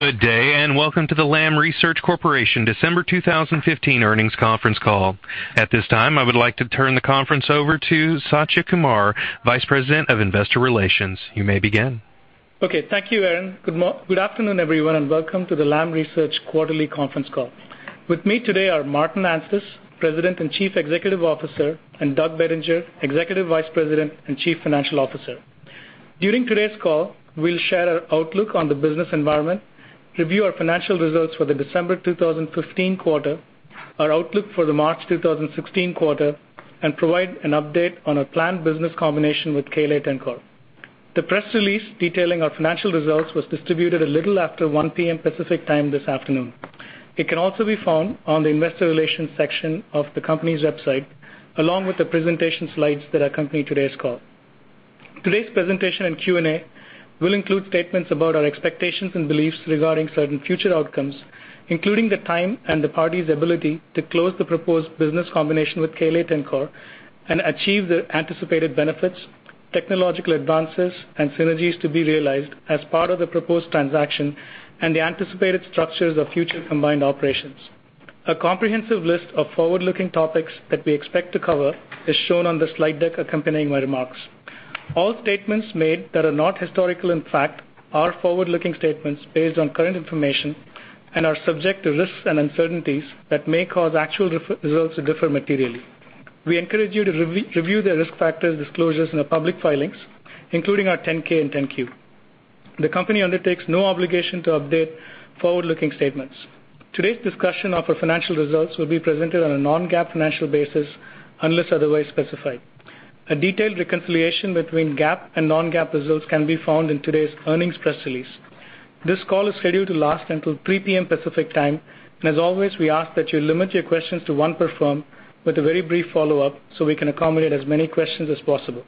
Good day. Welcome to the Lam Research Corporation December 2015 earnings conference call. At this time, I would like to turn the conference over to Satya Kumar, Vice President of Investor Relations. You may begin. Okay. Thank you, Aaron. Good afternoon, everyone. Welcome to the Lam Research quarterly conference call. With me today are Martin Anstice, President and Chief Executive Officer, and Doug Bettinger, Executive Vice President and Chief Financial Officer. During today's call, we'll share our outlook on the business environment, review our financial results for the December 2015 quarter, our outlook for the March 2016 quarter, and provide an update on a planned business combination with KLA-Tencor. The press release detailing our financial results was distributed a little after 1:00 P.M. Pacific Time this afternoon. It can also be found on the investor relations section of the company's website, along with the presentation slides that accompany today's call. Today's presentation and Q&A will include statements about our expectations and beliefs regarding certain future outcomes, including the time and the party's ability to close the proposed business combination with KLA-Tencor and achieve the anticipated benefits, technological advances, and synergies to be realized as part of the proposed transaction and the anticipated structures of future combined operations. A comprehensive list of forward-looking topics that we expect to cover is shown on the slide deck accompanying my remarks. All statements made that are not historical in fact are forward-looking statements based on current information and are subject to risks and uncertainties that may cause actual results to differ materially. We encourage you to review the risk factors disclosures in the public filings, including our 10-K and 10-Q. The company undertakes no obligation to update forward-looking statements. Today's discussion of our financial results will be presented on a non-GAAP financial basis unless otherwise specified. A detailed reconciliation between GAAP and non-GAAP results can be found in today's earnings press release. This call is scheduled to last until 3:00 P.M. Pacific Time. As always, we ask that you limit your questions to one per firm with a very brief follow-up so we can accommodate as many questions as possible.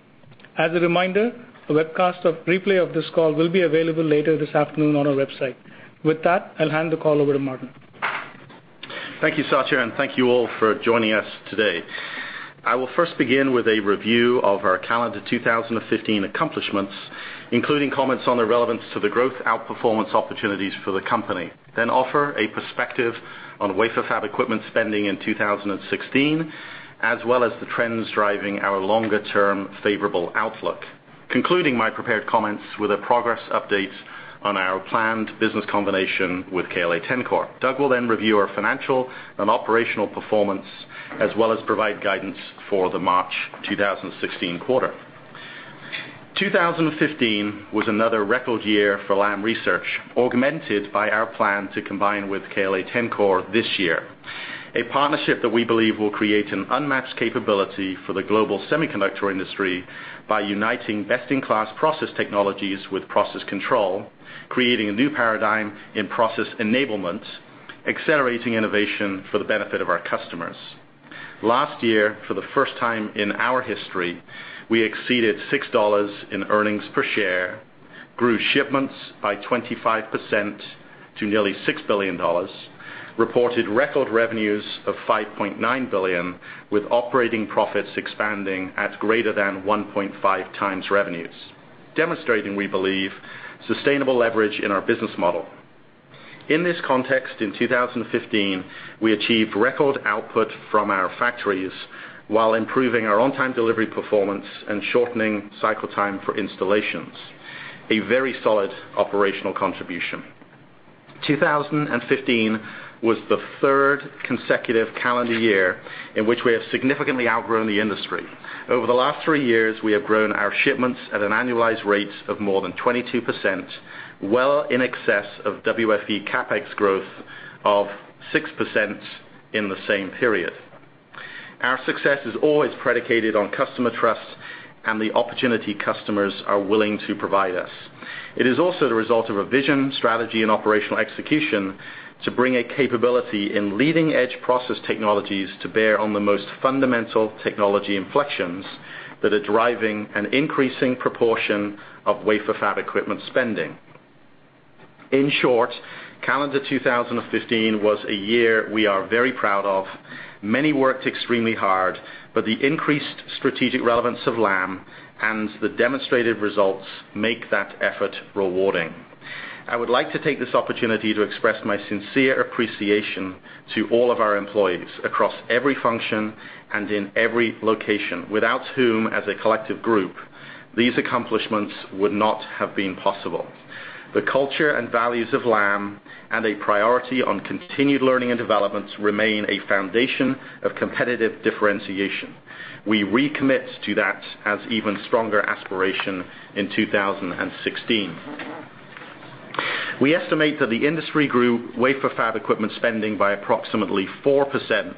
As a reminder, the webcast replay of this call will be available later this afternoon on our website. With that, I'll hand the call over to Martin. Thank you, Satya, and thank you all for joining us today. I will first begin with a review of our calendar 2015 accomplishments, including comments on the relevance to the growth outperformance opportunities for the company, then offer a perspective on wafer fab equipment spending in 2016, as well as the trends driving our longer-term favorable outlook. Concluding my prepared comments with a progress update on our planned business combination with KLA-Tencor. Doug will then review our financial and operational performance, as well as provide guidance for the March 2016 quarter. 2015 was another record year for Lam Research, augmented by our plan to combine with KLA-Tencor this year. A partnership that we believe will create an unmatched capability for the global semiconductor industry by uniting best-in-class process technologies with process control, creating a new paradigm in process enablement, accelerating innovation for the benefit of our customers. Last year, for the first time in our history, we exceeded $6 in earnings per share, grew shipments by 25% to nearly $6 billion, reported record revenues of $5.9 billion with operating profits expanding at greater than 1.5 times revenues. Demonstrating, we believe, sustainable leverage in our business model. In this context, in 2015, we achieved record output from our factories while improving our on-time delivery performance and shortening cycle time for installations. A very solid operational contribution. 2015 was the third consecutive calendar year in which we have significantly outgrown the industry. Over the last three years, we have grown our shipments at an annualized rate of more than 22%, well in excess of WFE CapEx growth of 6% in the same period. Our success is always predicated on customer trust and the opportunity customers are willing to provide us. It is also the result of a vision, strategy, and operational execution to bring a capability in leading-edge process technologies to bear on the most fundamental technology inflections that are driving an increasing proportion of wafer fab equipment spending. In short, calendar 2015 was a year we are very proud of. Many worked extremely hard, but the increased strategic relevance of Lam and the demonstrated results make that effort rewarding. I would like to take this opportunity to express my sincere appreciation to all of our employees across every function and in every location, without whom, as a collective group, these accomplishments would not have been possible. The culture and values of Lam and a priority on continued learning and development remain a foundation of competitive differentiation. We recommit to that as even stronger aspiration in 2016. We estimate that the industry grew wafer fab equipment spending by approximately 4%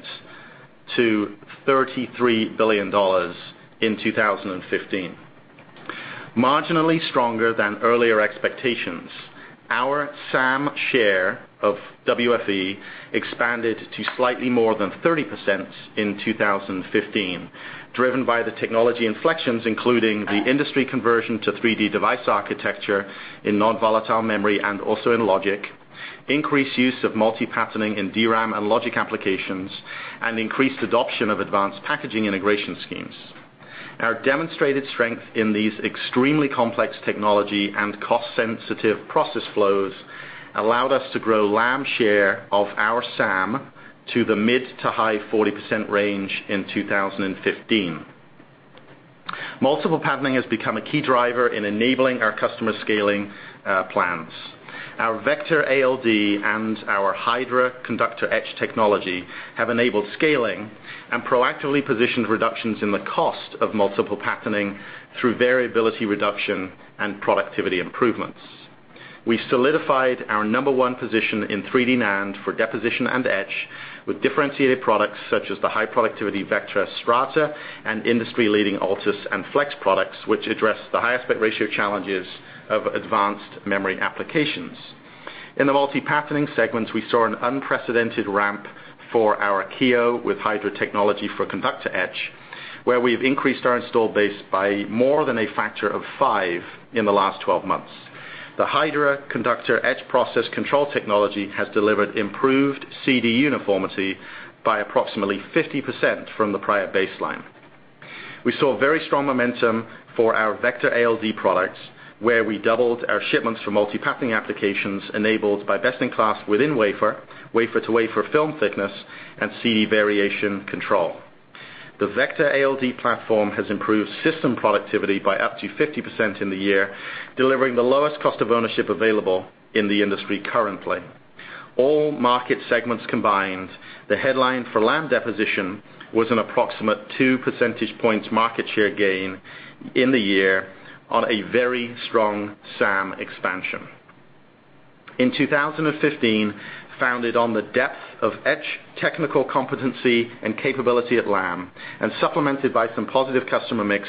to $33 billion in 2015. Marginally stronger than earlier expectations, our SAM share of WFE expanded to slightly more than 30% in 2015, driven by the technology inflections, including the industry conversion to 3D device architecture in non-volatile memory and also in logic, increased use of multi-patterning in DRAM and logic applications, and increased adoption of advanced packaging integration schemes. Our demonstrated strength in these extremely complex technology and cost-sensitive process flows allowed us to grow Lam share of our SAM to the mid to high 40% range in 2015. Multiple patterning has become a key driver in enabling our customers' scaling plans. Our VECTOR ALD and our Hydra conductor etch technology have enabled scaling and proactively positioned reductions in the cost of multiple patterning through variability reduction and productivity improvements. We solidified our number one position in 3D NAND for deposition and etch with differentiated products such as the high-productivity VECTOR Strata and industry-leading ALTUS and Flex products, which address the high aspect ratio challenges of advanced memory applications. In the multi-patterning segments, we saw an unprecedented ramp for our Kiyo with Hydra technology for conductor etch, where we've increased our installed base by more than a factor of five in the last 12 months. The Hydra conductor etch process control technology has delivered improved CD uniformity by approximately 50% from the prior baseline. We saw very strong momentum for our VECTOR ALD products, where we doubled our shipments for multi-patterning applications enabled by best-in-class within-wafer, wafer-to-wafer film thickness, and CD variation control. The VECTOR ALD platform has improved system productivity by up to 50% in the year, delivering the lowest cost of ownership available in the industry currently. All market segments combined, the headline for Lam deposition was an approximate two percentage points market share gain in the year on a very strong SAM expansion. In 2015, founded on the depth of etch technical competency and capability at Lam and supplemented by some positive customer mix,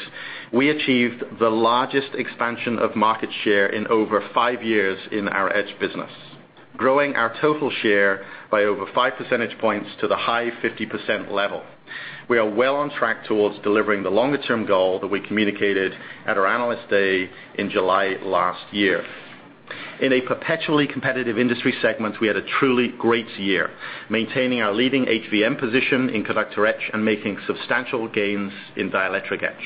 we achieved the largest expansion of market share in over five years in our etch business, growing our total share by over five percentage points to the high 50% level. We are well on track towards delivering the longer-term goal that we communicated at our Analyst Day in July last year. In a perpetually competitive industry segment, we had a truly great year, maintaining our leading HVM position in conductor etch and making substantial gains in dielectric etch.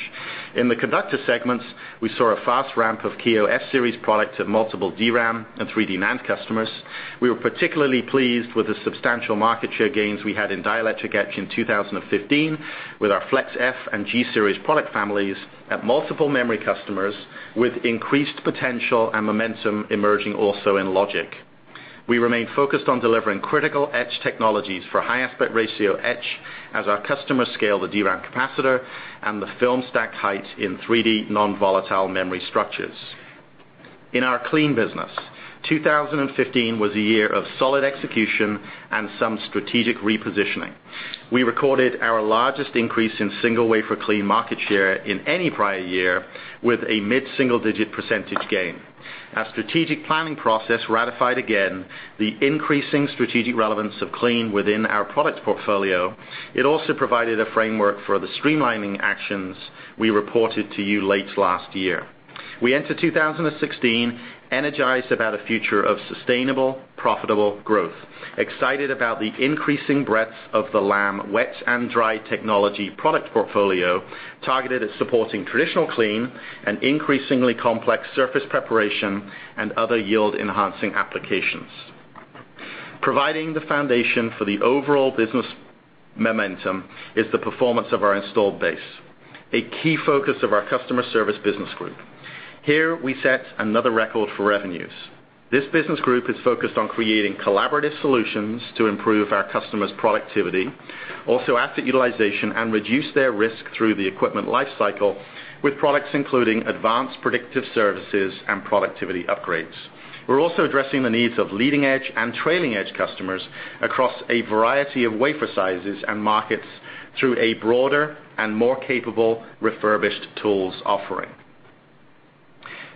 In the conductor segments, we saw a fast ramp of Kiyo S-Series products at multiple DRAM and 3D NAND customers. We were particularly pleased with the substantial market share gains we had in dielectric etch in 2015 with our Flex F and G-Series product families at multiple memory customers, with increased potential and momentum emerging also in logic. We remain focused on delivering critical etch technologies for high aspect ratio etch as our customers scale the DRAM capacitor and the film stack heights in 3D non-volatile memory structures. In our clean business, 2015 was a year of solid execution and some strategic repositioning. We recorded our largest increase in single-wafer clean market share in any prior year with a mid-single-digit percentage gain. Our strategic planning process ratified again the increasing strategic relevance of clean within our product portfolio. It also provided a framework for the streamlining actions we reported to you late last year. We enter 2016 energized about a future of sustainable, profitable growth, excited about the increasing breadth of the Lam wet and dry technology product portfolio, targeted at supporting traditional clean and increasingly complex surface preparation and other yield-enhancing applications. Providing the foundation for the overall business momentum is the performance of our installed base, a key focus of our customer service business group. Here, we set another record for revenues. This business group is focused on creating collaborative solutions to improve our customers' productivity, also asset utilization, and reduce their risk through the equipment life cycle with products including advanced predictive services and productivity upgrades. We're also addressing the needs of leading-edge and trailing-edge customers across a variety of wafer sizes and markets through a broader and more capable refurbished tools offering.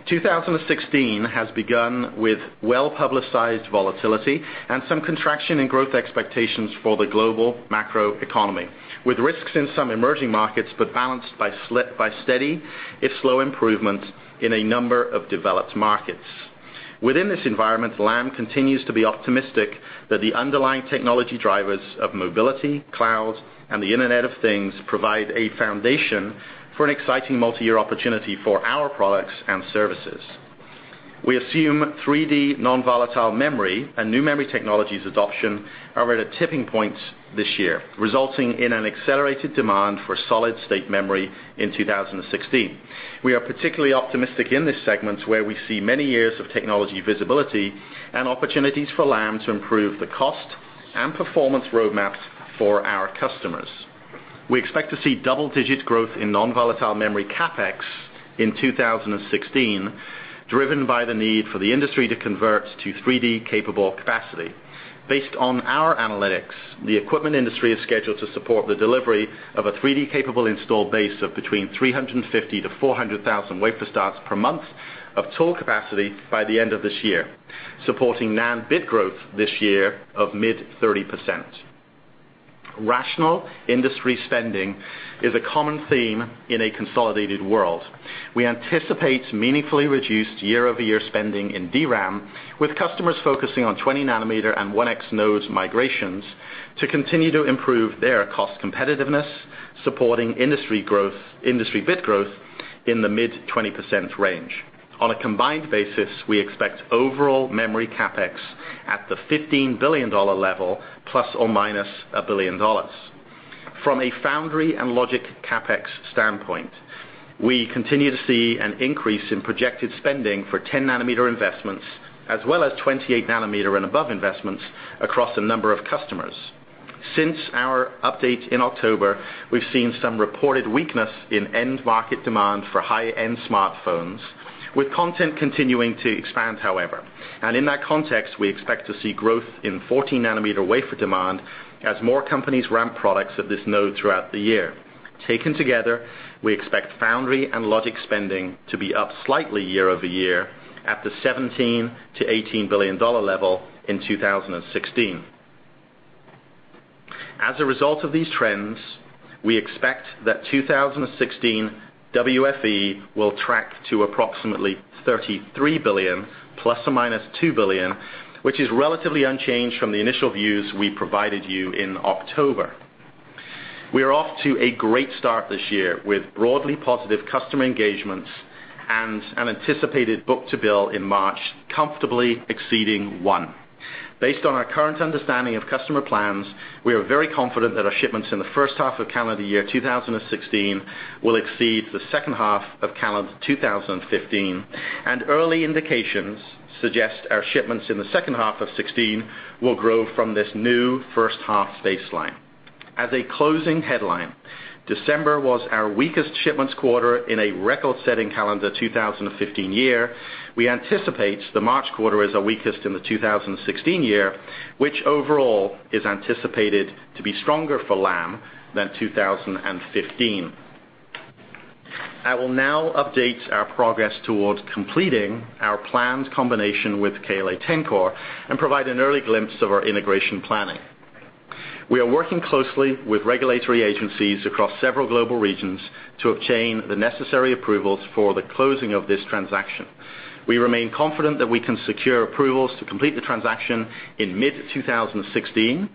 2016 has begun with well-publicized volatility and some contraction in growth expectations for the global macro economy, with risks in some emerging markets, but balanced by steady, if slow, improvement in a number of developed markets. Within this environment, Lam continues to be optimistic that the underlying technology drivers of mobility, cloud, and the Internet of Things provide a foundation for an exciting multi-year opportunity for our products and services. We assume 3D non-volatile memory and new memory technologies adoption are at a tipping point this year, resulting in an accelerated demand for solid-state memory in 2016. We are particularly optimistic in this segment, where we see many years of technology visibility and opportunities for Lam to improve the cost and performance roadmaps for our customers. We expect to see double-digit growth in non-volatile memory CapEx in 2016, driven by the need for the industry to convert to 3D-capable capacity. Based on our analytics, the equipment industry is scheduled to support the delivery of a 3D-capable installed base of between 350,000-400,000 wafer starts per month of tool capacity by the end of this year, supporting NAND bit growth this year of mid-30%. Rational industry spending is a common theme in a consolidated world. We anticipate meaningfully reduced year-over-year spending in DRAM, with customers focusing on 20 nanometer and 1X nodes migrations to continue to improve their cost competitiveness, supporting industry bit growth in the mid-20% range. On a combined basis, we expect overall memory CapEx at the $15 billion level, ±$1 billion. From a foundry and logic CapEx standpoint, we continue to see an increase in projected spending for 10 nanometer investments, as well as 28 nanometer and above investments across a number of customers. Since our update in October, we've seen some reported weakness in end market demand for high-end smartphones with content continuing to expand, however. In that context, we expect to see growth in 14 nanometer wafer demand as more companies ramp products at this node throughout the year. Taken together, we expect foundry and logic spending to be up slightly year-over-year at the $17 billion-$18 billion level in 2016. As a result of these trends, we expect that 2016 WFE will track to approximately $33 billion ±$2 billion, which is relatively unchanged from the initial views we provided you in October. We are off to a great start this year with broadly positive customer engagements and an anticipated book-to-bill in March comfortably exceeding one. Based on our current understanding of customer plans, we are very confident that our shipments in the first half of calendar year 2016 will exceed the second half of calendar 2015, and early indications suggest our shipments in the second half of 2016 will grow from this new first half baseline. As a closing headline, December was our weakest shipments quarter in a record-setting calendar 2015 year. We anticipate the March quarter as our weakest in the 2016 year, which overall is anticipated to be stronger for Lam than 2015. I will now update our progress towards completing our planned combination with KLA-Tencor and provide an early glimpse of our integration planning. We are working closely with regulatory agencies across several global regions to obtain the necessary approvals for the closing of this transaction. We remain confident that we can secure approvals to complete the transaction in mid-2016.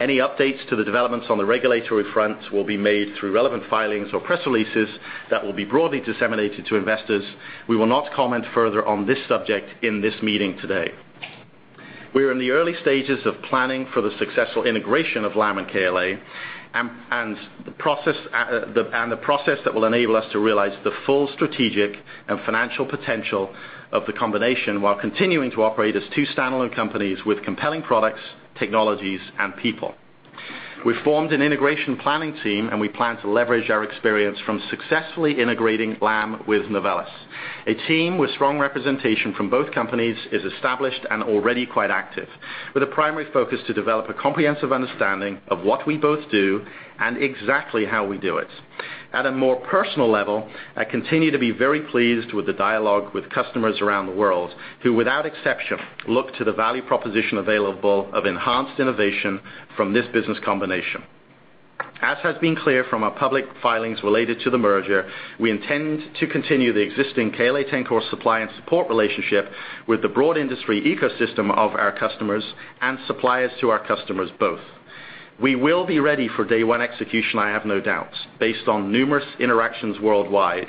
Any updates to the developments on the regulatory front will be made through relevant filings or press releases that will be broadly disseminated to investors. We will not comment further on this subject in this meeting today. We are in the early stages of planning for the successful integration of Lam and KLA and the process that will enable us to realize the full strategic and financial potential of the combination while continuing to operate as two standalone companies with compelling products, technologies, and people. We formed an integration planning team. We plan to leverage our experience from successfully integrating Lam with Novellus. A team with strong representation from both companies is established and already quite active, with a primary focus to develop a comprehensive understanding of what we both do and exactly how we do it. At a more personal level, I continue to be very pleased with the dialogue with customers around the world who, without exception, look to the value proposition available of enhanced innovation from this business combination. As has been clear from our public filings related to the merger, we intend to continue the existing KLA-Tencor supply and support relationship with the broad industry ecosystem of our customers and suppliers to our customers both. We will be ready for day one execution. I have no doubt. Based on numerous interactions worldwide,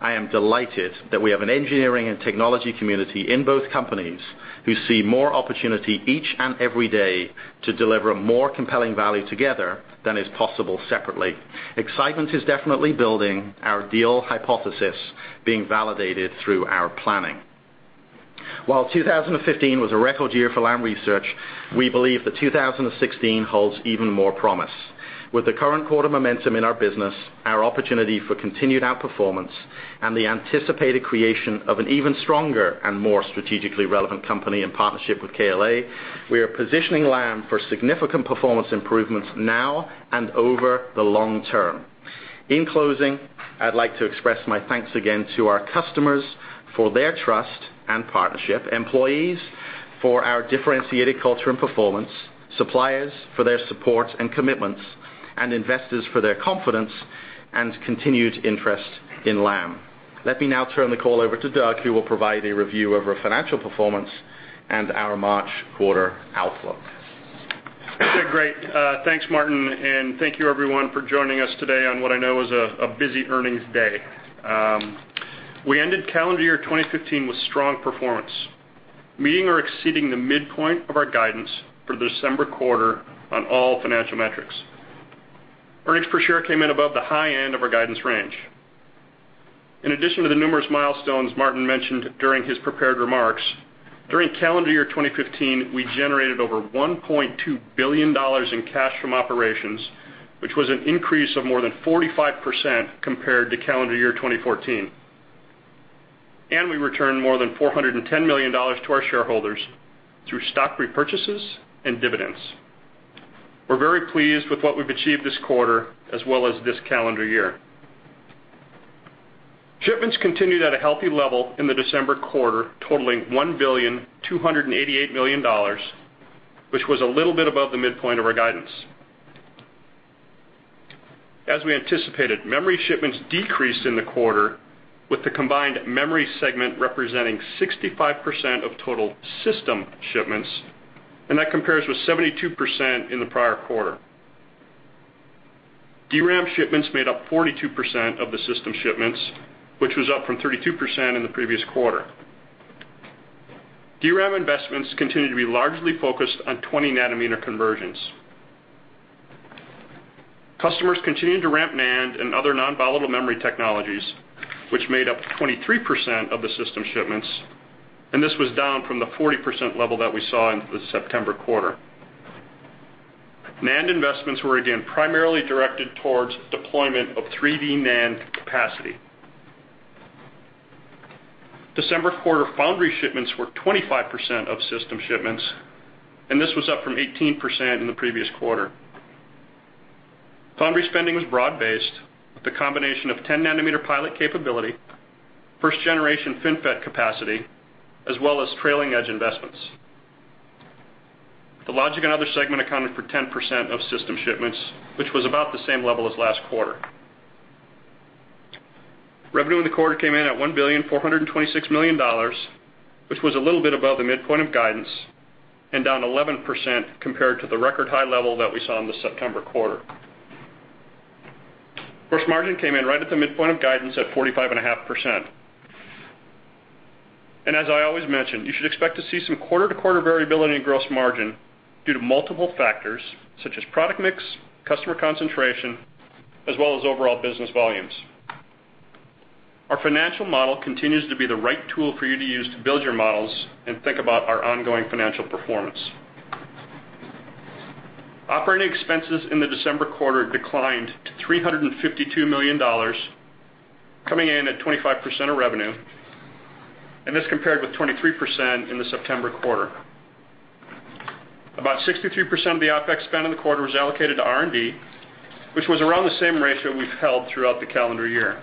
I am delighted that we have an engineering and technology community in both companies who see more opportunity each and every day to deliver a more compelling value together than is possible separately. Excitement is definitely building, our deal hypothesis being validated through our planning. While 2015 was a record year for Lam Research, we believe that 2016 holds even more promise. With the current quarter momentum in our business, our opportunity for continued outperformance, and the anticipated creation of an even stronger and more strategically relevant company in partnership with KLA, we are positioning Lam for significant performance improvements now and over the long term. In closing, I'd like to express my thanks again to our customers for their trust and partnership, employees for our differentiated culture and performance, suppliers for their support and commitments, and investors for their confidence and continued interest in Lam. Let me now turn the call over to Doug, who will provide a review of our financial performance and our March quarter outlook. Great. Thanks, Martin. Thank you everyone for joining us today on what I know is a busy earnings day. We ended calendar year 2015 with strong performance, meeting or exceeding the midpoint of our guidance for the December quarter on all financial metrics. Earnings per share came in above the high end of our guidance range. In addition to the numerous milestones Martin mentioned during his prepared remarks, during calendar year 2015, we generated over $1.2 billion in cash from operations, which was an increase of more than 45% compared to calendar year 2014. We returned more than $410 million to our shareholders through stock repurchases and dividends. We're very pleased with what we've achieved this quarter as well as this calendar year. Shipments continued at a healthy level in the December quarter, totaling $1,288,000,000, which was a little bit above the midpoint of our guidance. As we anticipated, memory shipments decreased in the quarter with the combined memory segment representing 65% of total system shipments, that compares with 72% in the prior quarter. DRAM shipments made up 42% of the system shipments, which was up from 32% in the previous quarter. DRAM investments continue to be largely focused on 20 nanometer conversions. Customers continued to ramp NAND and other non-volatile memory technologies, which made up 23% of the system shipments, this was down from the 40% level that we saw in the September quarter. NAND investments were again primarily directed towards deployment of 3D NAND capacity. December quarter foundry shipments were 25% of system shipments, this was up from 18% in the previous quarter. Foundry spending was broad-based, with a combination of 10 nanometer pilot capability, 1st generation FinFET capacity, as well as trailing edge investments. The logic and other segment accounted for 10% of system shipments, which was about the same level as last quarter. Revenue in the quarter came in at $1.426 billion, which was a little bit above the midpoint of guidance and down 11% compared to the record high level that we saw in the September quarter. Gross margin came in right at the midpoint of guidance at 45.5%. As I always mention, you should expect to see some quarter-to-quarter variability in gross margin due to multiple factors such as product mix, customer concentration, as well as overall business volumes. Our financial model continues to be the right tool for you to use to build your models and think about our ongoing financial performance. Operating expenses in the December quarter declined to $352 million, coming in at 25% of revenue, this compared with 23% in the September quarter. About 63% of the OpEx spend in the quarter was allocated to R&D, which was around the same ratio we've held throughout the calendar year.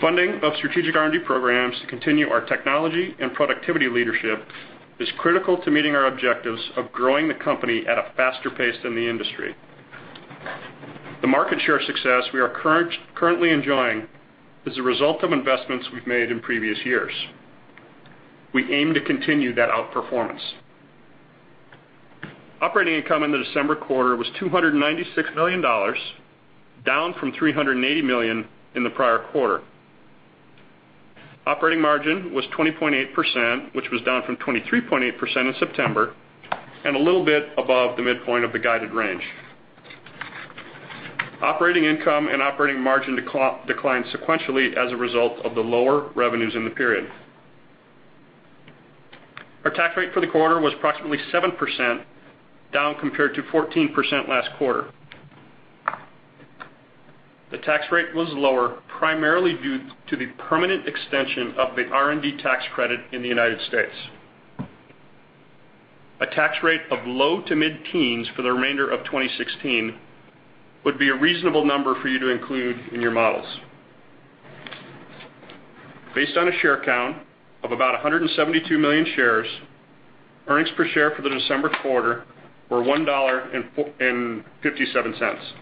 Funding of strategic R&D programs to continue our technology and productivity leadership is critical to meeting our objectives of growing the company at a faster pace than the industry. The market share success we are currently enjoying is a result of investments we've made in previous years. We aim to continue that outperformance. Operating income in the December quarter was $296 million, down from $380 million in the prior quarter. Operating margin was 20.8%, which was down from 23.8% in September and a little bit above the midpoint of the guided range. Operating income and operating margin declined sequentially as a result of the lower revenues in the period. Our tax rate for the quarter was approximately 7%, down compared to 14% last quarter. The tax rate was lower, primarily due to the permanent extension of the R&D tax credit in the United States. A tax rate of low to mid-teens for the remainder of 2016 would be a reasonable number for you to include in your models. Based on a share count of about 172 million shares, earnings per share for the December quarter were $1.57.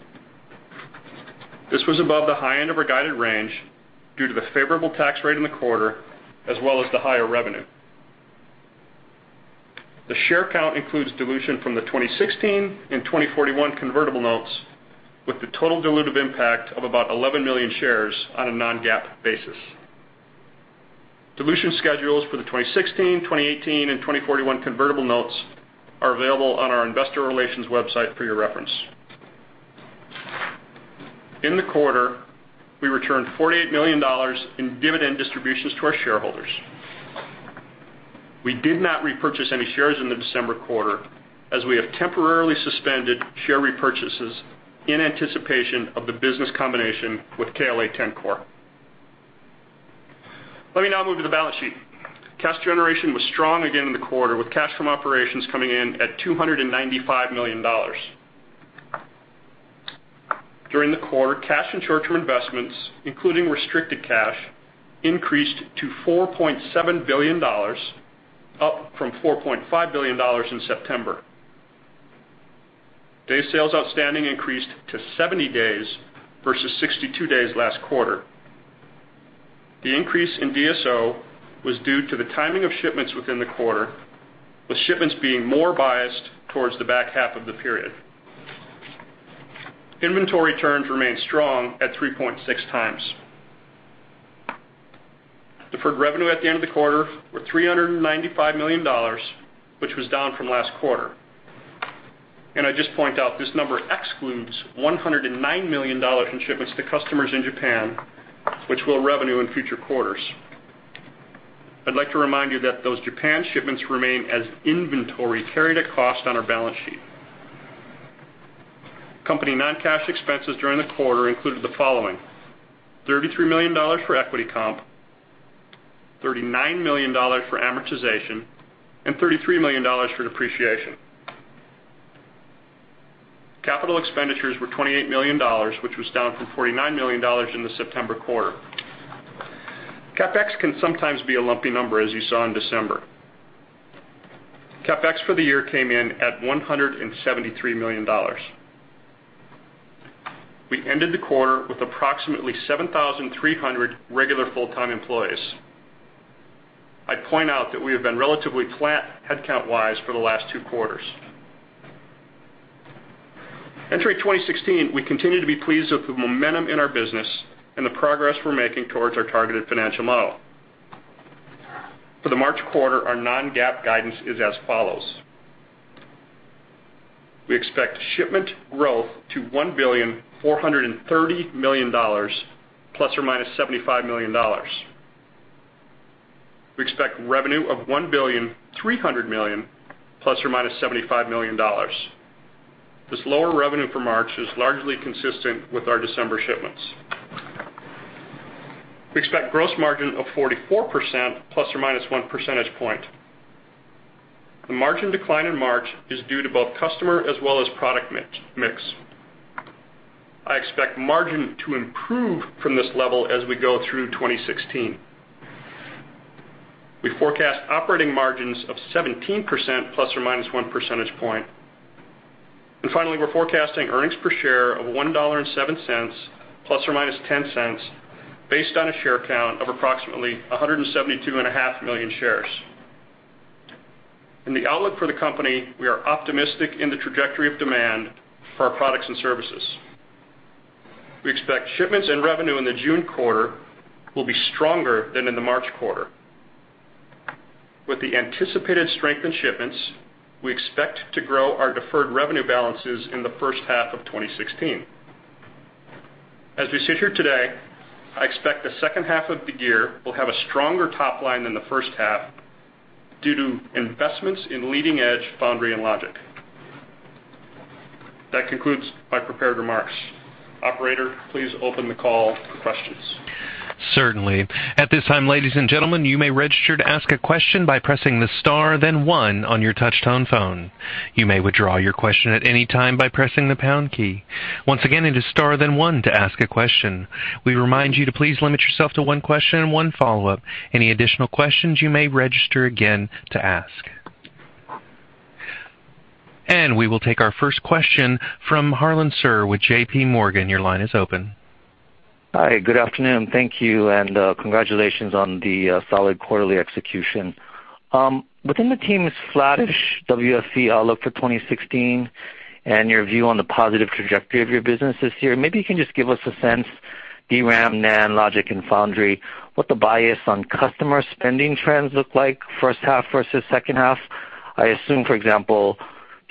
This was above the high end of our guided range due to the favorable tax rate in the quarter, as well as the higher revenue. The share count includes dilution from the 2016 and 2041 convertible notes, with the total dilutive impact of about 11 million shares on a non-GAAP basis. Dilution schedules for the 2016, 2018, and 2041 convertible notes are available on our investor relations website for your reference. In the quarter, we returned $48 million in dividend distributions to our shareholders. We did not repurchase any shares in the December quarter, as we have temporarily suspended share repurchases in anticipation of the business combination with KLA-Tencor. Let me now move to the balance sheet. Cash generation was strong again in the quarter, with cash from operations coming in at $295 million. During the quarter, cash and short-term investments, including restricted cash, increased to $4.7 billion, up from $4.5 billion in September. Days sales outstanding increased to 70 days versus 62 days last quarter. The increase in DSO was due to the timing of shipments within the quarter, with shipments being more biased towards the back half of the period. Inventory turns remained strong at 3.6 times. Deferred revenue at the end of the quarter were $395 million, which was down from last quarter. I'd just point out, this number excludes $109 million in shipments to customers in Japan, which we'll revenue in future quarters. I'd like to remind you that those Japan shipments remain as inventory carried at cost on our balance sheet. Company non-cash expenses during the quarter included the following: $33 million for equity comp, $39 million for amortization, and $33 million for depreciation. Capital expenditures were $28 million, which was down from $49 million in the September quarter. CapEx can sometimes be a lumpy number, as you saw in December. CapEx for the year came in at $173 million. We ended the quarter with approximately 7,300 regular full-time employees. I point out that we have been relatively flat headcount-wise for the last two quarters. Entering 2016, we continue to be pleased with the momentum in our business and the progress we're making towards our targeted financial model. For the March quarter, our non-GAAP guidance is as follows. We expect shipment growth to $1.430 billion ±$75 million. We expect revenue of $1.3 billion ±$75 million. This lower revenue for March is largely consistent with our December shipments. We expect gross margin of 44% ±one percentage point. The margin decline in March is due to both customer as well as product mix. I expect margin to improve from this level as we go through 2016. We forecast operating margins of 17% ±one percentage point. Finally, we're forecasting earnings per share of $1.07 ±$0.10, based on a share count of approximately 172.5 million shares. In the outlook for the company, we are optimistic in the trajectory of demand for our products and services. We expect shipments and revenue in the June quarter will be stronger than in the March quarter. With the anticipated strength in shipments, we expect to grow our deferred revenue balances in the first half of 2016. As we sit here today, I expect the second half of the year will have a stronger top line than the first half due to investments in leading-edge foundry and logic. That concludes my prepared remarks. Operator, please open the call for questions. Certainly. At this time, ladies and gentlemen, you may register to ask a question by pressing the star then one on your touch-tone phone. You may withdraw your question at any time by pressing the pound key. Once again, it is star then one to ask a question. We remind you to please limit yourself to one question and one follow-up. Any additional questions, you may register again to ask. We will take our first question from Harlan Sur with J.P. Morgan. Your line is open. Hi. Good afternoon. Thank you. Congratulations on the solid quarterly execution. Within the team's flattish WFE outlook for 2016 and your view on the positive trajectory of your business this year, maybe you can just give us a sense, DRAM, NAND, logic, and foundry, what the bias on customer spending trends look like first half versus second half. I assume, for example,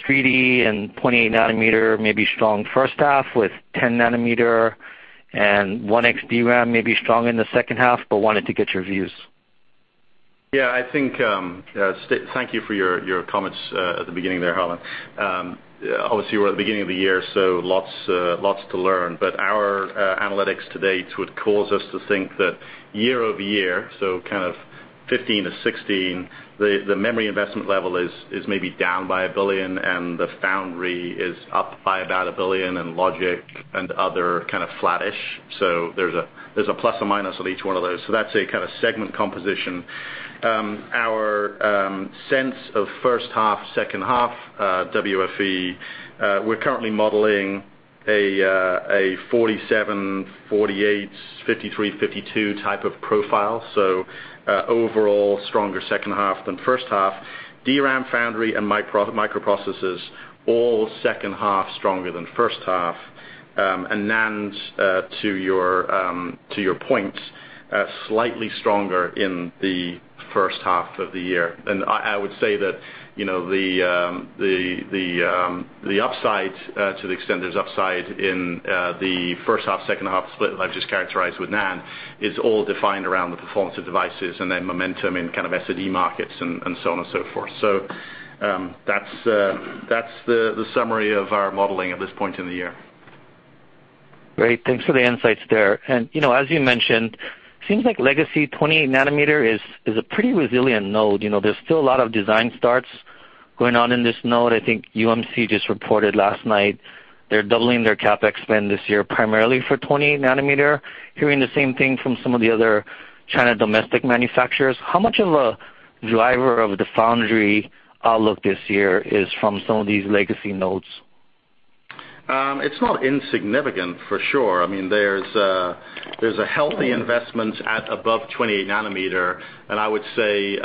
3D and 28 nanometer may be strong first half with 10 nanometer and 1X DRAM may be strong in the second half. Wanted to get your views. Thank you for your comments at the beginning there, Harlan. Obviously, we're at the beginning of the year. Lots to learn. Our analytics to date would cause us to think that year-over-year, 2015 to 2016, the memory investment level is maybe down by $1 billion. The foundry is up by about $1 billion. Logic and other kind of flattish. There's a plus or minus on each one of those. That's a kind of segment composition. Our sense of first half, second half WFE, we're currently modeling a 47/48, 53/52 type of profile, overall stronger second half than first half. DRAM foundry and microprocessors, all second half stronger than first half. NAND, to your point, slightly stronger in the first half of the year. I would say that the upside, to the extent there's upside in the first half, second half split that I've just characterized with NAND, is all defined around the performance of devices and then momentum in kind of SSD markets and so on and so forth. That's the summary of our modeling at this point in the year. Great. Thanks for the insights there. As you mentioned, seems like legacy 20 nanometer is a pretty resilient node. There's still a lot of design starts going on in this node. I think UMC just reported last night they're doubling their CapEx spend this year primarily for 20 nanometer. Hearing the same thing from some of the other China domestic manufacturers. How much of a driver of the foundry outlook this year is from some of these legacy nodes? It's not insignificant, for sure. There's a healthy investment at above 20 nanometer. I would say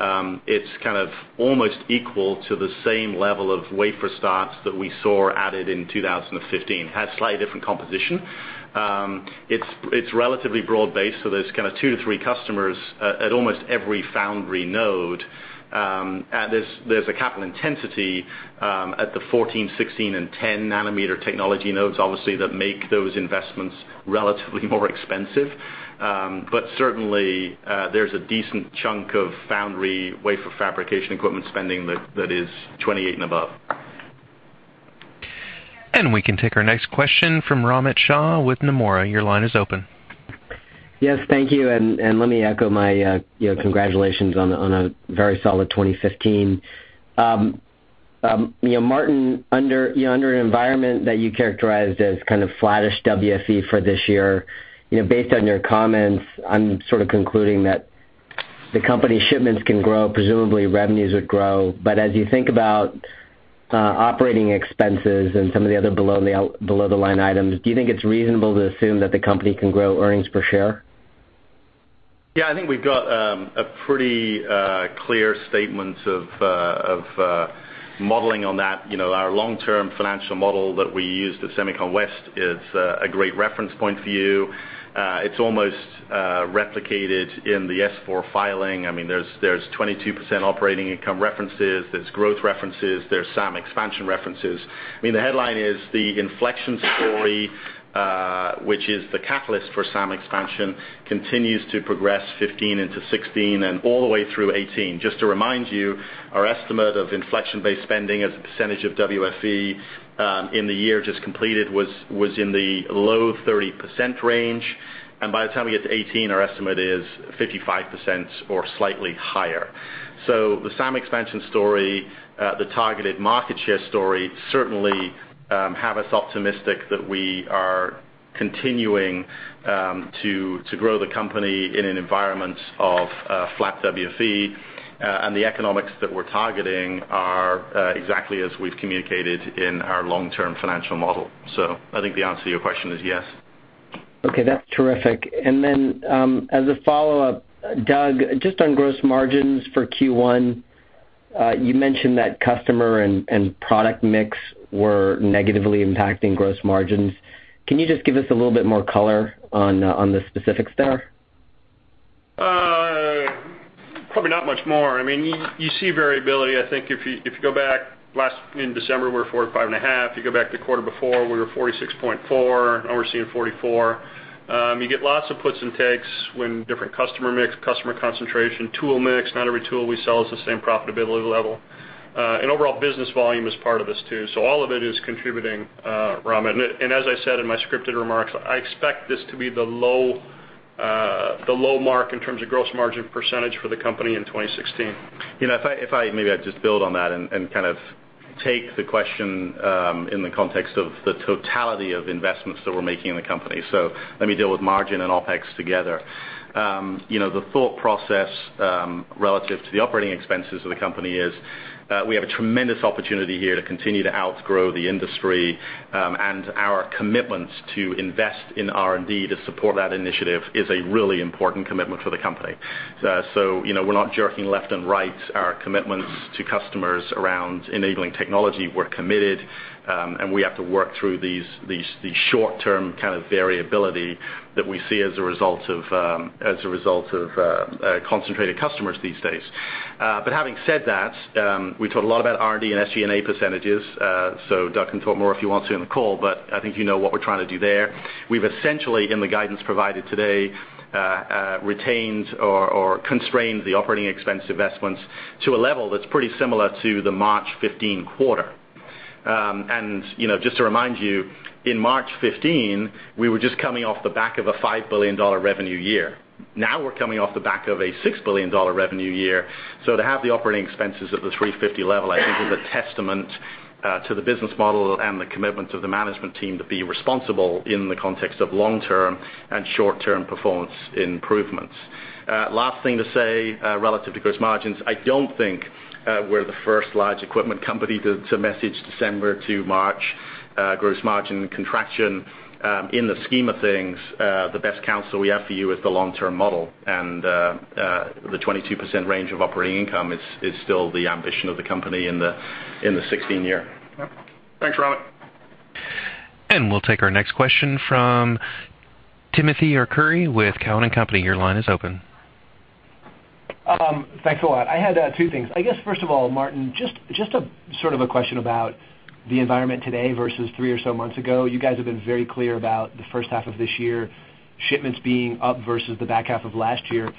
it's kind of almost equal to the same level of wafer starts that we saw added in 2015. Had slightly different composition. It's relatively broad-based, so there's kind of two to three customers at almost every foundry node. There's a capital intensity at the 14, 16, and 10 nanometer technology nodes, obviously, that make those investments relatively more expensive. Certainly, there's a decent chunk of foundry wafer fabrication equipment spending that is 28 and above. We can take our next question from Romit Shah with Nomura. Your line is open. Yes. Thank you. Let me echo my congratulations on a very solid 2015. Martin, under an environment that you characterized as kind of flattish WFE for this year, based on your comments, I'm sort of concluding that the company shipments can grow, presumably revenues would grow. As you think about operating expenses and some of the other below the line items, do you think it's reasonable to assume that the company can grow earnings per share? Yeah, I think we've got a pretty clear statement of modeling on that. Our long-term financial model that we used at SEMICON West is a great reference point for you. It's almost replicated in the S-4 filing. There's 22% operating income references, there's growth references, there's SAM expansion references. The headline is the inflection story, which is the catalyst for SAM expansion, continues to progress 2015 into 2016 and all the way through 2018. Just to remind you, our estimate of inflection-based spending as a percentage of WFE, in the year just completed was in the low 30% range. By the time we get to 2018, our estimate is 55% or slightly higher. The SAM expansion story, the targeted market share story, certainly have us optimistic that we are continuing to grow the company in an environment of flat WFE. The economics that we're targeting are exactly as we've communicated in our long-term financial model. I think the answer to your question is yes. Okay. That's terrific. Then, as a follow-up, Doug, just on gross margins for Q1, you mentioned that customer and product mix were negatively impacting gross margins. Can you just give us a little bit more color on the specifics there? Probably not much more. You see variability. I think if you go back in December, we're 45.5%. You go back the quarter before we were 46.4%. Now we're seeing 44%. You get lots of puts and takes when different customer mix, customer concentration, tool mix, not every tool we sell is the same profitability level. Overall business volume is part of this too. All of it is contributing, Romit. As I said in my scripted remarks, I expect this to be the low mark in terms of gross margin percentage for the company in 2016. If I maybe just build on that and take the question in the context of the totality of investments that we're making in the company. Let me deal with margin and OpEx together. The thought process, relative to the operating expenses of the company is, we have a tremendous opportunity here to continue to outgrow the industry, and our commitments to invest in R&D to support that initiative is a really important commitment for the company. We're not jerking left and right our commitments to customers around enabling technology. We're committed, and we have to work through these short-term kind of variability that we see as a result of concentrated customers these days. Having said that, we talked a lot about R&D and SG&A percentages. Doug can talk more if you want to on the call, but I think you know what we're trying to do there. We've essentially, in the guidance provided today, retained or constrained the operating expense investments to a level that's pretty similar to the March 2015 quarter. And just to remind you, in March 2015, we were just coming off the back of a $5 billion revenue year. Now we're coming off the back of a $6 billion revenue year. To have the operating expenses at the $350 level, I think is a testament to the business model and the commitment of the management team to be responsible in the context of long-term and short-term performance improvements. Last thing to say, relative to gross margins, I don't think we're the first large equipment company to message December to March gross margin contraction. In the scheme of things, the best counsel we have for you is the long-term model, and the 22% range of operating income is still the ambition of the company in the 2016 year. Yep. Thanks, Romit. We'll take our next question from Timothy Arcuri with Cowen and Company. Your line is open. Thanks a lot. I had two things. I guess first of all, Martin, just a sort of a question about the environment today versus three or so months ago. You guys have been very clear about the first half of this year, shipments being up versus the back half of last year.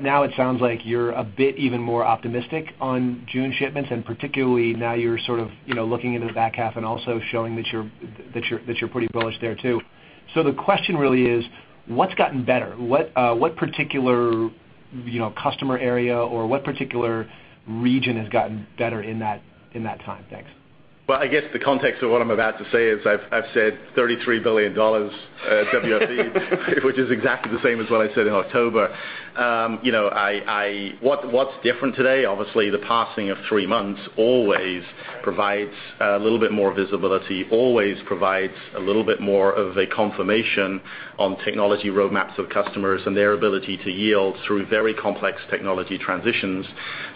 Now it sounds like you're a bit even more optimistic on June shipments, and particularly now you're sort of looking into the back half and also showing that you're pretty bullish there too. The question really is, what's gotten better? What particular customer area or what particular region has gotten better in that time? Thanks. Well, I guess the context of what I'm about to say is I've said $33 billion WFE, which is exactly the same as what I said in October. What's different today? Obviously, the passing of three months always provides a little bit more visibility, always provides a little bit more of a confirmation on technology roadmaps of customers and their ability to yield through very complex technology transitions.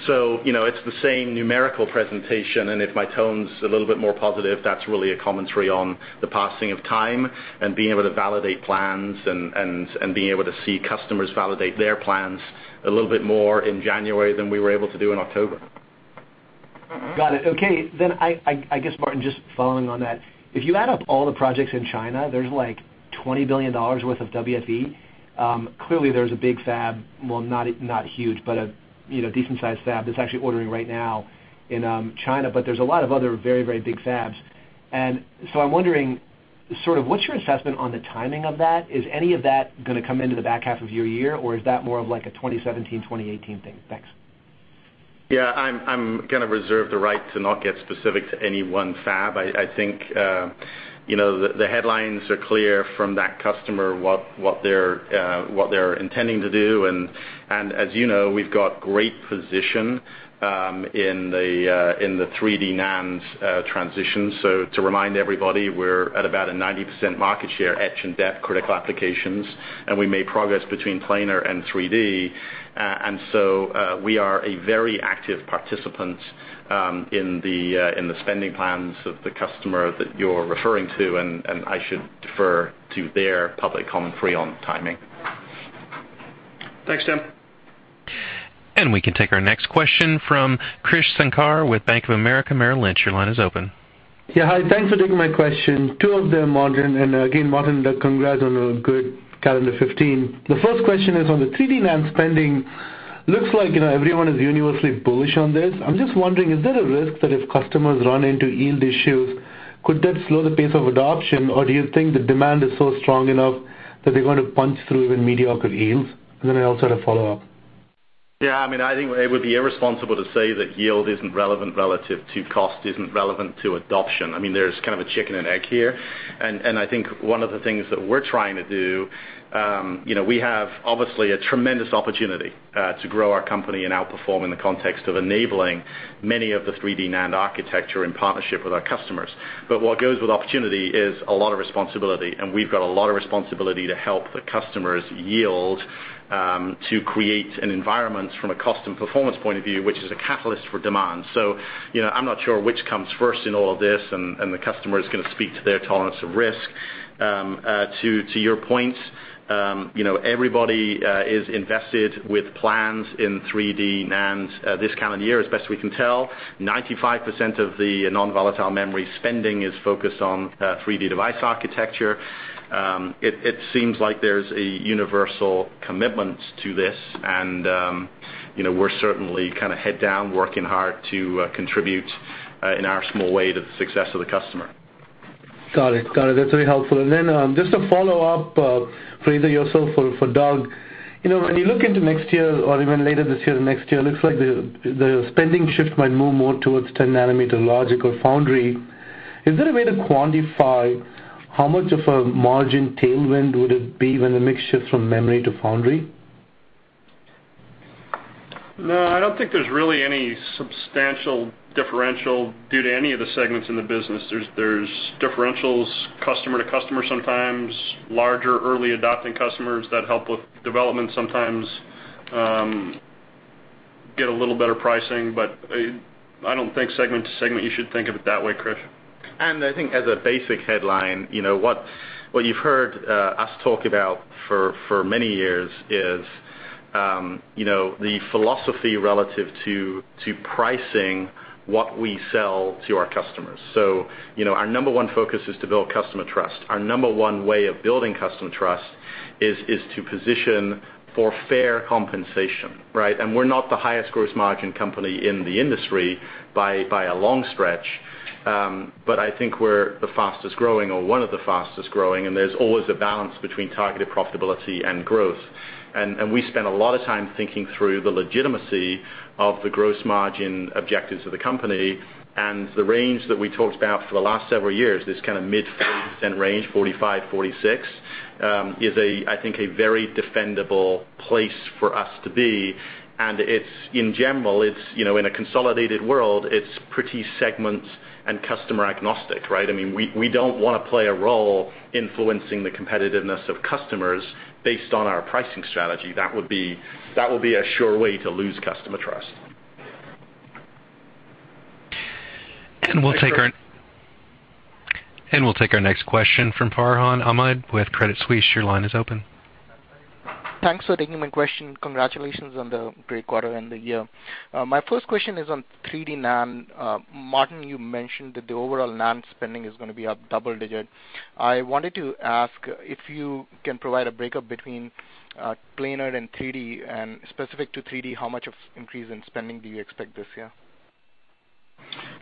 It's the same numerical presentation, and if my tone's a little bit more positive, that's really a commentary on the passing of time and being able to validate plans and being able to see customers validate their plans a little bit more in January than we were able to do in October. Got it. Okay. I guess, Martin, just following on that, if you add up all the projects in China, there's like $20 billion worth of WFE. Clearly there's a big fab, well, not huge, but a decent sized fab that's actually ordering right now in China. There's a lot of other very big fabs. I'm wondering, what's your assessment on the timing of that? Is any of that going to come into the back half of your year, or is that more of like a 2017, 2018 thing? Thanks. Yeah, I'm going to reserve the right to not get specific to any one fab. I think the headlines are clear from that customer, what they're intending to do, as you know, we've got great position in the 3D NAND transition. To remind everybody, we're at about a 90% market share, etch and dep, critical applications, and we made progress between planar and 3D. We are a very active participant in the spending plans of the customer that you're referring to, and I should defer to their public commentary on timing. Thanks, Tim. We can take our next question from Krish Sankar with Bank of America Merrill Lynch. Your line is open. Yeah. Hi. Thanks for taking my question. Two of them, Martin, again, Martin, congrats on a good calendar 2015. The first question is on the 3D NAND spending. Looks like everyone is universally bullish on this. I'm just wondering, is there a risk that if customers run into yield issues, could that slow the pace of adoption, or do you think the demand is strong enough that they're going to punch through even mediocre yields? I also had a follow-up. I think it would be irresponsible to say that yield isn't relevant relative to cost, isn't relevant to adoption. There's kind of a chicken and egg here. I think one of the things that we're trying to do, we have obviously a tremendous opportunity to grow our company and outperform in the context of enabling many of the 3D NAND architecture in partnership with our customers. What goes with opportunity is a lot of responsibility, and we've got a lot of responsibility to help the customers yield to create an environment from a cost and performance point of view, which is a catalyst for demand. I'm not sure which comes first in all of this, and the customer is going to speak to their tolerance of risk. To your point, everybody is invested with plans in 3D NAND this calendar year. As best we can tell, 95% of the non-volatile memory spending is focused on 3D device architecture. It seems like there's a universal commitment to this, and we're certainly kind of head down, working hard to contribute in our small way to the success of the customer. Got it. That's very helpful. Just to follow up for either yourself or for Doug, when you look into next year or even later this year, the next year, looks like the spending shift might move more towards 10 nanometer logic or foundry. Is there a way to quantify how much of a margin tailwind would it be when the mix shifts from memory to foundry? I don't think there's really any substantial differential due to any of the segments in the business. There's differentials customer to customer sometimes, larger early adopting customers that help with development sometimes get a little better pricing, I don't think segment to segment, you should think of it that way, Krish. I think as a basic headline, what you've heard us talk about for many years is the philosophy relative to pricing what we sell to our customers. Our number 1 focus is to build customer trust. Our number 1 way of building customer trust is to position for fair compensation, right? We're not the highest gross margin company in the industry by a long stretch, but I think we're the fastest-growing or one of the fastest-growing, and there's always a balance between targeted profitability and growth. We spend a lot of time thinking through the legitimacy of the gross margin objectives of the company, and the range that we talked about for the last several years, this kind of mid-40% range, 45%, 46%, is I think, a very defendable place for us to be. In general, in a consolidated world, it's pretty segment and customer agnostic, right? We don't want to play a role influencing the competitiveness of customers based on our pricing strategy. That would be a sure way to lose customer trust. We'll take our next question from Farhan Ahmad with Credit Suisse. Your line is open. Thanks for taking my question. Congratulations on the great quarter and the year. My first question is on 3D NAND. Martin, you mentioned that the overall NAND spending is going to be up double-digit. I wanted to ask if you can provide a breakup between planar and 3D, and specific to 3D, how much of increase in spending do you expect this year?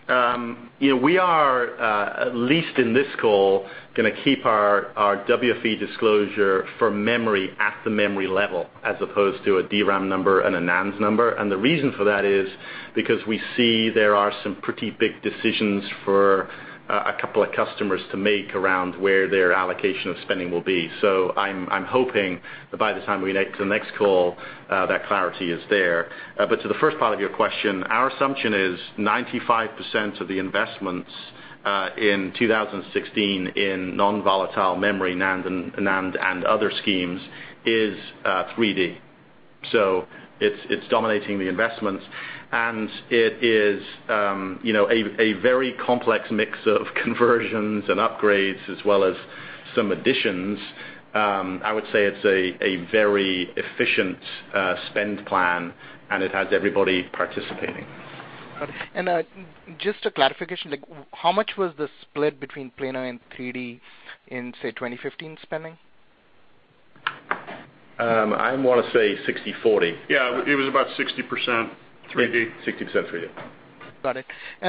We are, at least in this call, going to keep our WFE disclosure for memory at the memory level as opposed to a DRAM number and a NAND number. The reason for that is because we see there are some pretty big decisions for a couple of customers to make around where their allocation of spending will be. I'm hoping that by the time we get to the next call, that clarity is there. To the first part of your question, our assumption is 95% of the investments in 2016 in non-volatile memory, NAND, and other schemes is 3D. It's dominating the investments, and it is a very complex mix of conversions and upgrades, as well as some additions. I would say it's a very efficient spend plan, and it has everybody participating. Got it. Just a clarification, how much was the split between planar and 3D in, say, 2015 spending? I want to say 60-40. Yeah, it was about 60% 3D. 60% 3D.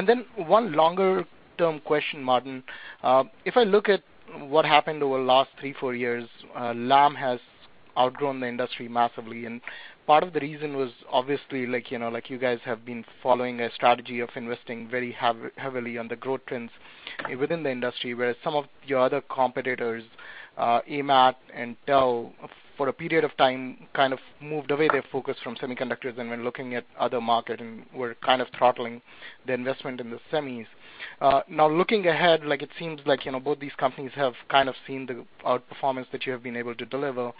Then one longer-term question, Martin. If I look at what happened over the last three, four years, Lam has outgrown the industry massively. Part of the reason was obviously, you guys have been following a strategy of investing very heavily on the growth trends within the industry, whereas some of your other competitors, AMAT and TEL, for a period of time, kind of moved away their focus from semiconductors and were looking at other market, and were kind of throttling the investment in the semis. Looking ahead, it seems like both these companies have kind of seen the outperformance that you have been able to deliver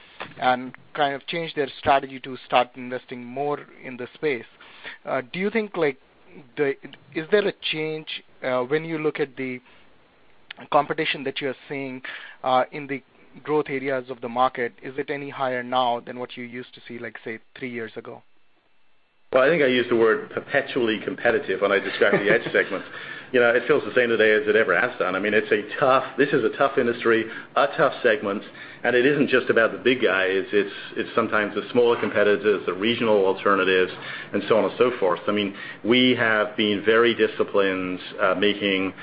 and kind of changed their strategy to start investing more in the space. Do you think, is there a change when you look at the competition that you are seeing in the growth areas of the market, is it any higher now than what you used to see, let's say, three years ago? Well, I think I used the word perpetually competitive when I described the etch segment. It feels the same today as it ever has done. This is a tough industry, a tough segment. It isn't just about the big guys. It's sometimes the smaller competitors, the regional alternatives, so on and so forth. We have been very disciplined, making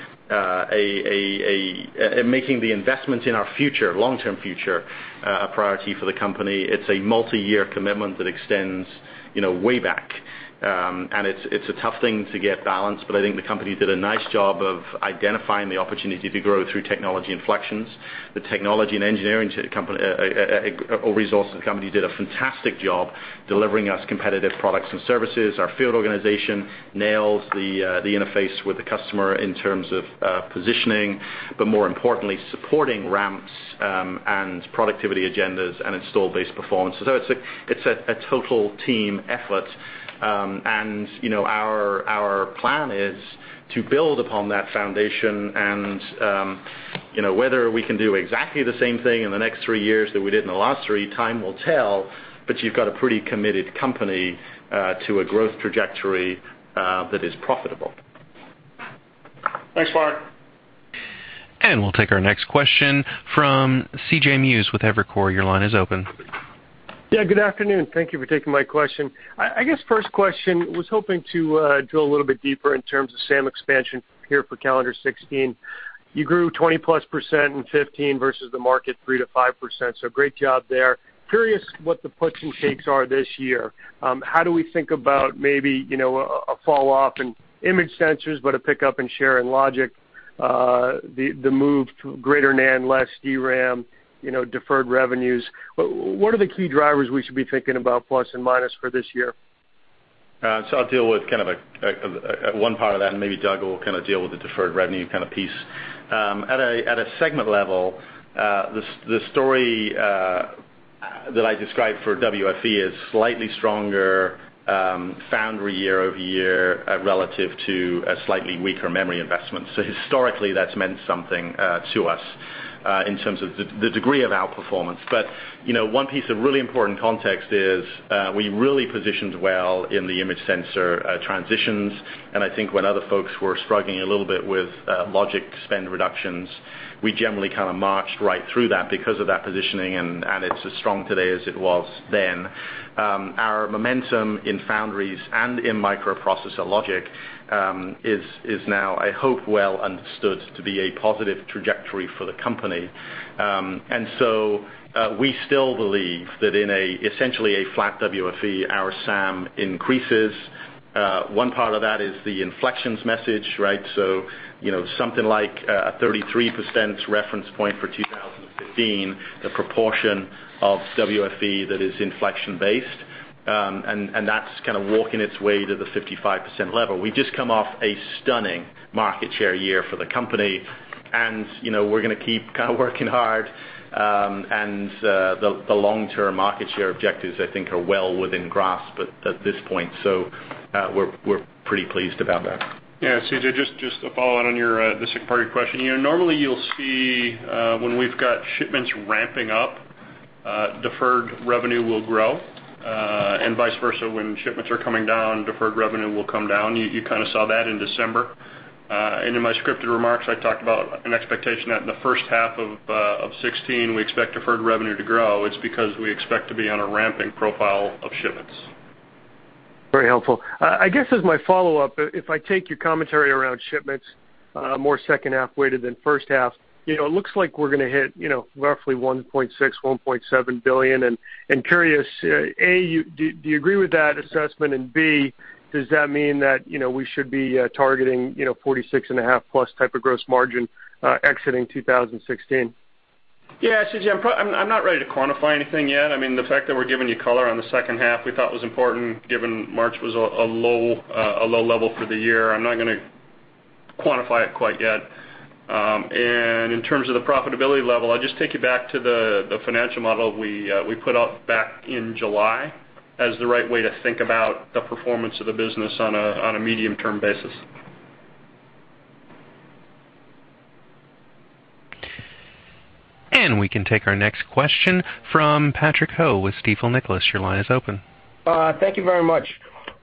the investment in our future, long-term future, a priority for the company. It's a multi-year commitment that extends way back. It's a tough thing to get balanced. I think the company did a nice job of identifying the opportunity to grow through technology inflections. The technology and engineering resources company did a fantastic job delivering us competitive products and services. Our field organization nails the interface with the customer in terms of positioning, more importantly, supporting ramps and productivity agendas and install base performance. It's a total team effort. Our plan is to build upon that foundation, and whether we can do exactly the same thing in the next three years that we did in the last three, time will tell, but you've got a pretty committed company to a growth trajectory that is profitable. Thanks, Martin. We'll take our next question from C.J. Muse with Evercore. Your line is open. Yeah, good afternoon. Thank you for taking my question. I guess first question, was hoping to drill a little bit deeper in terms of SAM expansion here for calendar 2016. You grew 20-plus% in 2015 versus the market 3%-5%, so great job there. Curious what the puts and takes are this year. How do we think about maybe, a fall off in image sensors, but a pickup in share in Logic, the move to greater NAND, less DRAM, deferred revenues. What are the key drivers we should be thinking about, plus and minus, for this year? I'll deal with one part of that, and maybe Doug will deal with the deferred revenue piece. At a segment level, the story that I described for WFE is slightly stronger foundry year-over-year relative to slightly weaker memory investments. Historically, that's meant something to us in terms of the degree of outperformance. One piece of really important context is, we really positioned well in the image sensor transitions, and I think when other folks were struggling a little bit with Logic spend reductions, we generally kind of marched right through that because of that positioning, and it's as strong today as it was then. Our momentum in foundries and in microprocessor Logic is now, I hope, well understood to be a positive trajectory for the company. We still believe that in essentially a flat WFE, our SAM increases. One part of that is the inflections message, right. Something like a 33% reference point for 2015, the proportion of WFE that is inflection-based, and that's kind of working its way to the 55% level. We've just come off a stunning market share year for the company, and we're going to keep kind of working hard. The long-term market share objectives, I think, are well within grasp at this point, so we're pretty pleased about that. Yeah, CJ, just a follow-on on the second part of your question. Normally you'll see when we've got shipments ramping up, deferred revenue will grow, and vice versa, when shipments are coming down, deferred revenue will come down. You kind of saw that in December. In my scripted remarks, I talked about an expectation that in the first half of 2016, we expect deferred revenue to grow. It's because we expect to be on a ramping profile of shipments. Very helpful. I guess as my follow-up, if I take your commentary around shipments, more second half weighted than first half, it looks like we're going to hit roughly $1.6 billion-$1.7 billion, and curious, A, do you agree with that assessment? B, does that mean that we should be targeting 46.5%+ gross margin exiting 2016? Yeah, C.J., I'm not ready to quantify anything yet. The fact that we're giving you color on the second half we thought was important, given March was a low level for the year. I'm not going to quantify it quite yet. In terms of the profitability level, I'd just take you back to the financial model we put out back in July as the right way to think about the performance of the business on a medium-term basis. We can take our next question from Patrick Ho with Stifel Nicolaus. Your line is open. Thank you very much.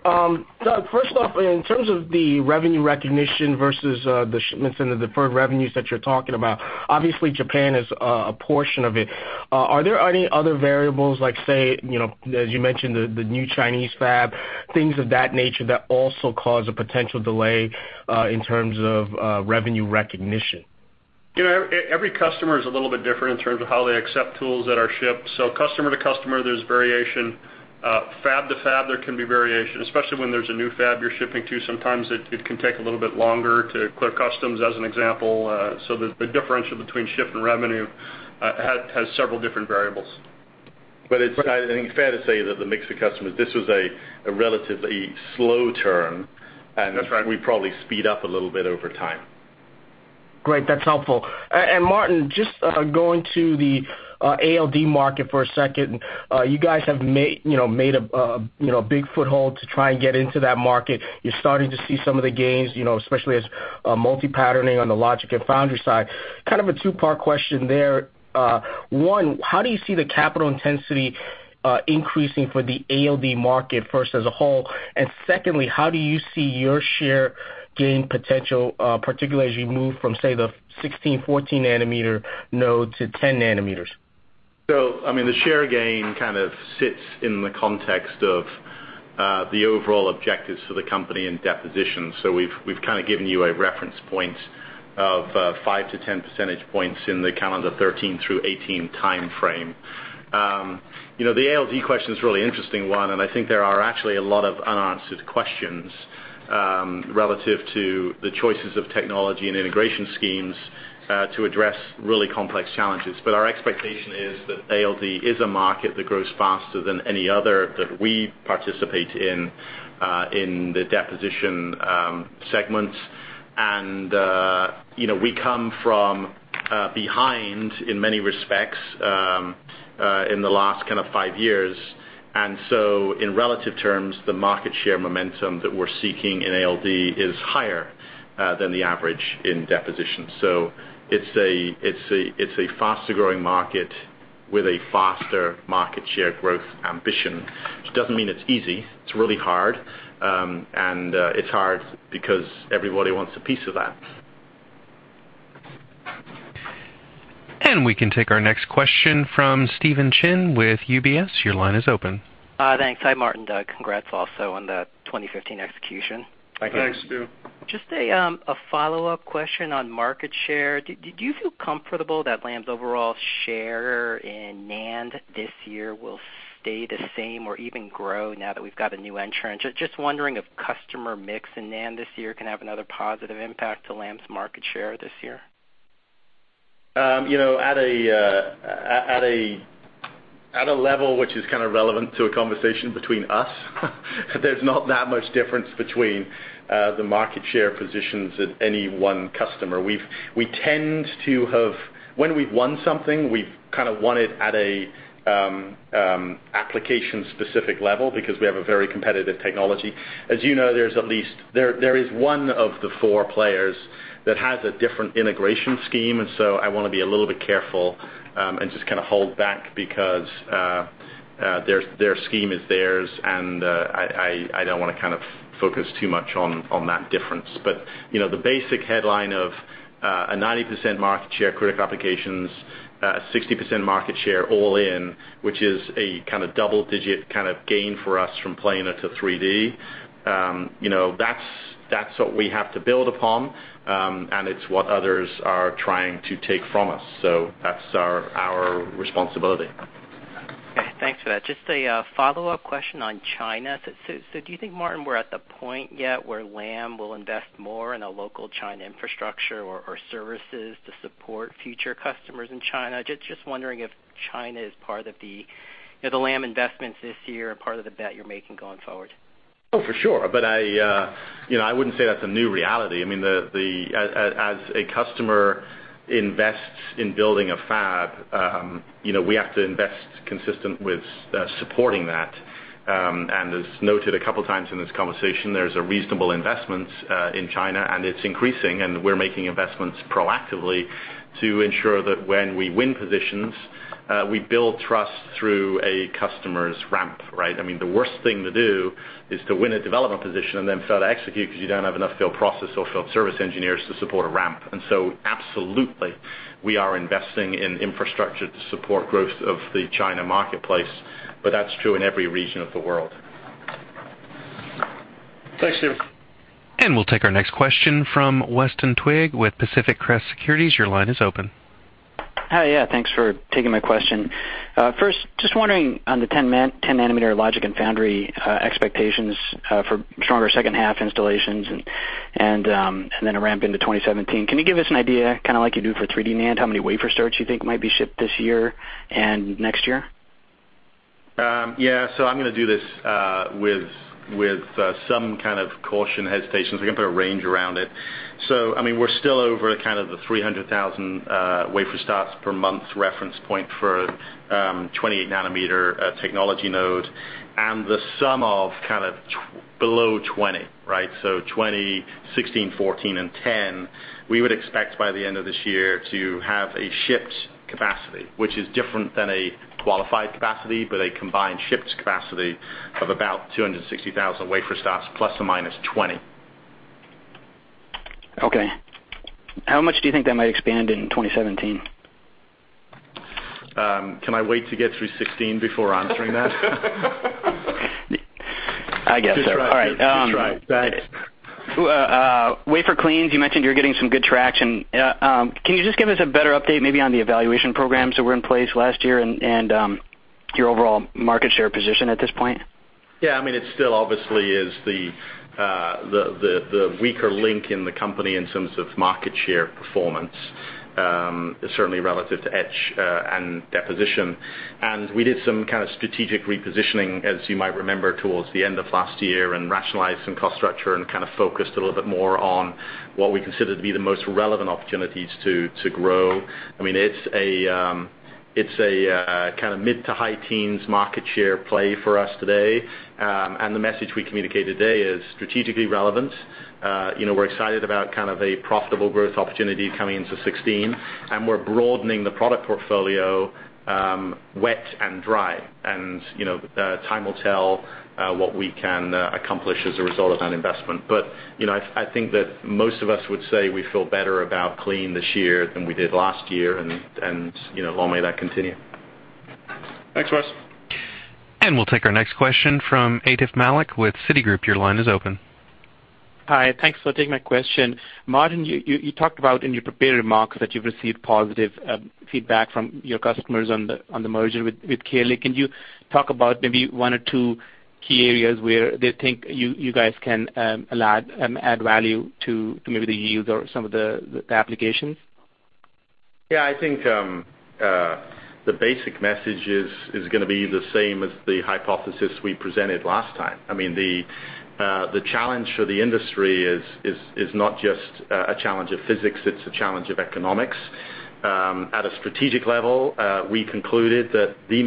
Doug, first off, in terms of the revenue recognition versus the shipments and the deferred revenues that you're talking about, obviously Japan is a portion of it. Are there any other variables, like say, as you mentioned, the new Chinese fab, things of that nature that also cause a potential delay in terms of revenue recognition? Every customer is a little bit different in terms of how they accept tools that are shipped. Customer to customer, there's variation. Fab to fab, there can be variation, especially when there's a new fab you're shipping to. Sometimes it can take a little bit longer to clear customs, as an example. The differential between ship and revenue has several different variables. It's, I think, fair to say that the mix of customers, this was a relatively slow turn. That's right. We probably speed up a little bit over time. Great. That's helpful. Martin, just going to the ALD market for a second. You guys have made a big foothold to try and get into that market. You're starting to see some of the gains, especially as multi-patterning on the logic and foundry side. Kind of a two-part question there. One, how do you see the capital intensity increasing for the ALD market, first as a whole, and secondly, how do you see your share gain potential, particularly as you move from, say, the 16, 14 nanometer node to 10 nanometers? The share gain kind of sits in the context of the overall objectives for the company in deposition. We've kind of given you a reference point of 5-10 percentage points in the calendar 2013 through 2018 timeframe. The ALD question's a really interesting one. I think there are actually a lot of unanswered questions relative to the choices of technology and integration schemes to address really complex challenges. Our expectation is that ALD is a market that grows faster than any other that we participate in the deposition segments. We come from behind in many respects, in the last kind of five years. In relative terms, the market share momentum that we're seeking in ALD is higher than the average in deposition. It's a faster-growing market with a faster market share growth ambition, which doesn't mean it's easy. It's really hard. It's hard because everybody wants a piece of that. We can take our next question from Stephen Chin with UBS. Your line is open. Thanks. Hi, Martin, Doug. Congrats also on the 2015 execution. Thanks. Thanks, Stephen. Just a follow-up question on market share. Do you feel comfortable that Lam's overall share in NAND this year will stay the same or even grow now that we've got a new entrant? Just wondering if customer mix in NAND this year can have another positive impact to Lam's market share this year. At a level which is kind of relevant to a conversation between us, there's not that much difference between the market share positions at any one customer. When we've won something, we've kind of won it at an application-specific level because we have a very competitive technology. As you know, there is one of the four players that has a different integration scheme, I want to be a little bit careful, and just kind of hold back because their scheme is theirs, and I don't want to kind of focus too much on that difference. The basic headline of a 90% market share, critical applications, a 60% market share all in, which is a kind of double-digit kind of gain for us from planar to 3D. That's what we have to build upon, and it's what others are trying to take from us. That's our responsibility. Okay. Thanks for that. Just a follow-up question on China. Do you think, Martin Anstice, we're at the point yet where Lam Research will invest more in a local China infrastructure or services to support future customers in China? Just wondering if China is part of the Lam Research investments this year, part of the bet you're making going forward. Oh, for sure. I wouldn't say that's a new reality. As a customer invests in building a fab, we have to invest consistent with supporting that. As noted a couple of times in this conversation, there's a reasonable investment in China, and it's increasing, and we're making investments proactively to ensure that when we win positions, we build trust through a customer's ramp, right? The worst thing to do is to win a development position and then fail to execute because you don't have enough field process or field service engineers to support a ramp. Absolutely, we are investing in infrastructure to support growth of the China marketplace, but that's true in every region of the world. Thanks, Stephen Chin. We'll take our next question from Weston Twigg with Pacific Crest Securities. Your line is open. Hi. Yeah, thanks for taking my question. First, just wondering on the 10 nanometer logic and foundry expectations for stronger second half installations and then a ramp into 2017. Can you give us an idea, kind of like you do for 3D NAND, how many wafer starts you think might be shipped this year and next year? Yeah. I'm going to do this with some kind of caution, hesitation, so I can put a range around it. We're still over kind of the 300,000 wafer starts per month reference point for 28 nanometer technology node, and the sum of kind of below 20, right? 20, 16, 14, and 10, we would expect by the end of this year to have a shipped capacity, which is different than a qualified capacity, but a combined shipped capacity of about 260,000 wafer starts, plus or minus 20. Okay. How much do you think that might expand in 2017? Can I wait to get through 2016 before answering that? I guess so. All right. Just right. Thanks. Wafer cleans, you mentioned you're getting some good traction. Can you just give us a better update, maybe on the evaluation programs that were in place last year and your overall market share position at this point? Yeah. It still obviously is the weaker link in the company in terms of market share performance, certainly relative to etch and deposition. We did some kind of strategic repositioning, as you might remember, towards the end of last year and rationalized some cost structure and kind of focused a little bit more on what we consider to be the most relevant opportunities to grow. It's a kind of mid to high teens market share play for us today. The message we communicate today is strategically relevant. We're excited about kind of a profitable growth opportunity coming into 2016, and we're broadening the product portfolio, wet and dry. Time will tell what we can accomplish as a result of that investment. I think that most of us would say we feel better about clean this year than we did last year, and long may that continue. Thanks, Russ. We'll take our next question from Atif Malik with Citigroup. Your line is open. Hi, thanks for taking my question. Martin, you talked about in your prepared remarks that you've received positive feedback from your customers on the merger with KLA. Can you talk about maybe one or two key areas where they think you guys can add value to maybe the yields or some of the applications? Yeah, I think the basic message is going to be the same as the hypothesis we presented last time. The challenge for the industry is not just a challenge of physics, it's a challenge of economics. At a strategic level, we concluded that the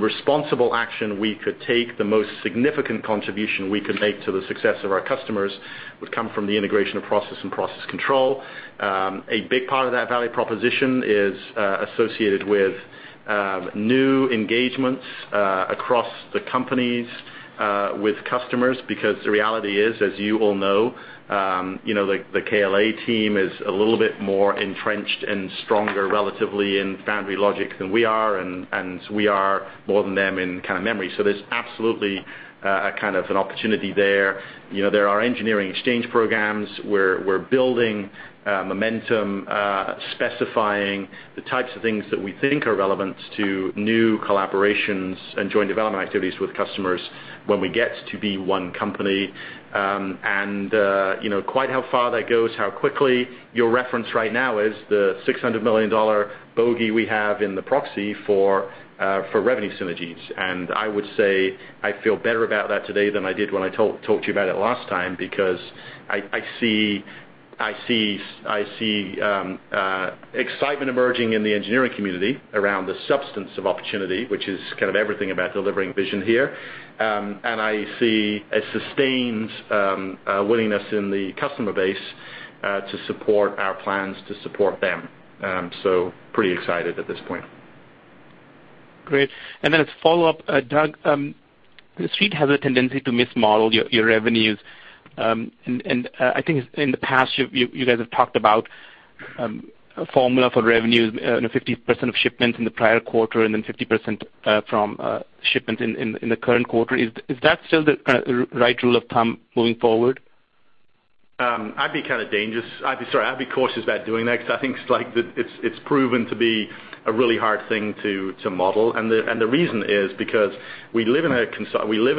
responsible action we could take, the most significant contribution we could make to the success of our customers would come from the integration of process and process control. A big part of that value proposition is associated with new engagements across the companies, with customers, because the reality is, as you all know, the KLA team is a little bit more entrenched and stronger, relatively, in foundry logic than we are, and we are more than them in memory. There's absolutely a kind of an opportunity there. There are engineering exchange programs. We're building momentum, specifying the types of things that we think are relevant to new collaborations and joint development activities with customers when we get to be one company. Quite how far that goes, how quickly, your reference right now is the $600 million bogey we have in the proxy for revenue synergies. I would say I feel better about that today than I did when I talked to you about it last time, because I see excitement emerging in the engineering community around the substance of opportunity, which is kind of everything about delivering vision here. I see a sustained willingness in the customer base to support our plans to support them. Pretty excited at this point. Great. Then as follow-up, Doug, the Street has a tendency to mismodel your revenues. I think in the past, you guys have talked about a formula for revenues, 50% of shipments in the prior quarter and 50% from shipments in the current quarter. Is that still the right rule of thumb moving forward? I'd be cautious about doing that because I think it's proven to be a really hard thing to model. The reason is because we live in a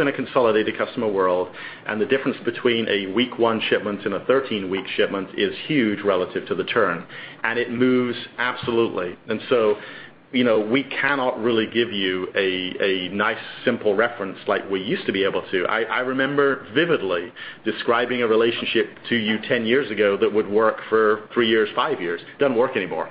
consolidated customer world, and the difference between a week one shipment and a 13-week shipment is huge relative to the turn. It moves absolutely. We cannot really give you a nice, simple reference like we used to be able to. I remember vividly describing a relationship to you 10 years ago that would work for three years, five years. It doesn't work anymore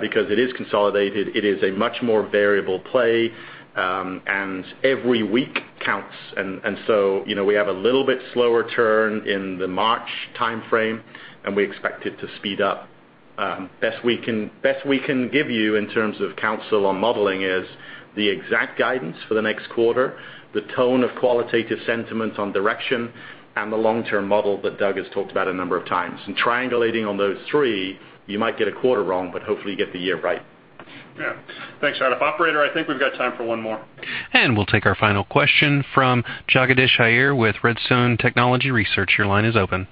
because it is consolidated. It is a much more variable play, and every week counts. We have a little bit slower turn in the March timeframe, and we expect it to speed up. Best we can give you in terms of counsel on modeling is the exact guidance for the next quarter, the tone of qualitative sentiment on direction, and the long-term model that Doug has talked about a number of times. Triangulating on those three, you might get a quarter wrong, but hopefully you get the year right. Yeah. Thanks, Atif. Operator, I think we've got time for one more. We'll take our final question from Jagadish Iyer with Redstone Technology Research. Your line is open.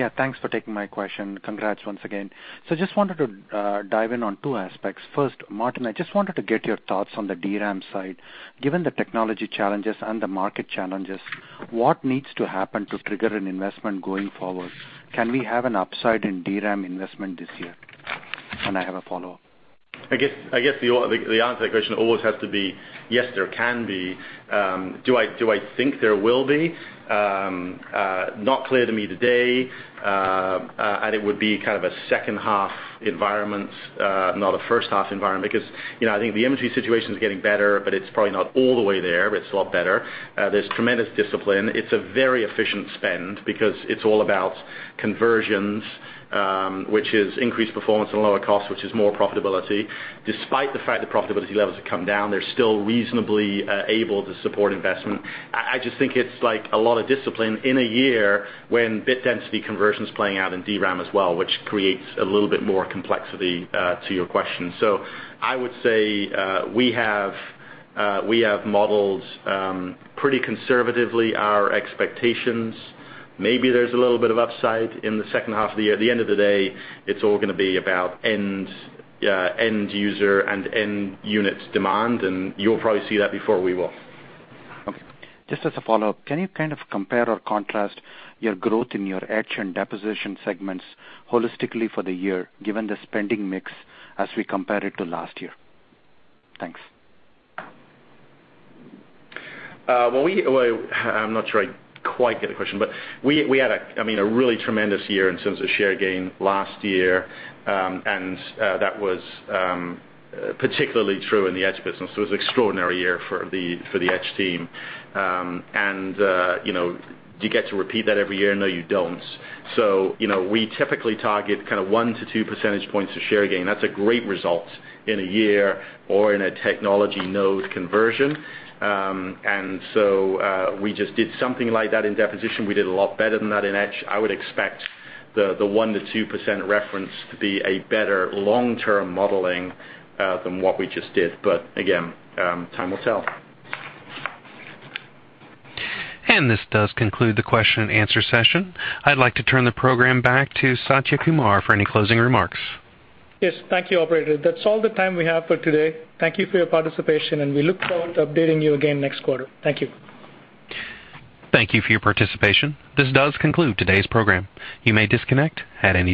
Yeah, thanks for taking my question. Congrats once again. Just wanted to dive in on two aspects. First, Martin, I just wanted to get your thoughts on the DRAM side. Given the technology challenges and the market challenges, what needs to happen to trigger an investment going forward? Can we have an upside in DRAM investment this year? I have a follow-up. I guess the answer to that question always has to be, yes, there can be. Do I think there will be? Not clear to me today. It would be kind of a second half environment, not a first half environment, because I think the inventory situation is getting better, but it's probably not all the way there, but it's a lot better. There's tremendous discipline. It's a very efficient spend because it's all about conversions, which is increased performance and lower cost, which is more profitability. Despite the fact the profitability levels have come down, they're still reasonably able to support investment. I just think it's like a lot of discipline in a year when bit density conversion is playing out in DRAM as well, which creates a little bit more complexity to your question. I would say we have modeled pretty conservatively our expectations. Maybe there's a little bit of upside in the second half of the year. At the end of the day, it's all going to be about end user and end units demand, and you'll probably see that before we will. Okay. Just as a follow-up, can you kind of compare or contrast your growth in your etch and deposition segments holistically for the year, given the spending mix as we compare it to last year? Thanks. I'm not sure I quite get the question. We had a really tremendous year in terms of share gain last year, and that was particularly true in the etch business. It was an extraordinary year for the etch team. Do you get to repeat that every year? No, you don't. We typically target kind of 1 to 2 percentage points of share gain. That's a great result in a year or in a technology node conversion. We just did something like that in deposition. We did a lot better than that in etch. I would expect the 1% to 2% reference to be a better long-term modeling than what we just did. Again, time will tell. This does conclude the question and answer session. I'd like to turn the program back to Satya Kumar for any closing remarks. Yes. Thank you, operator. That's all the time we have for today. Thank you for your participation, and we look forward to updating you again next quarter. Thank you. Thank you for your participation. This does conclude today's program. You may disconnect at any time.